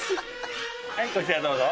はいこちらどうぞ。